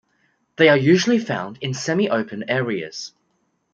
They are usually found in semi-open areas.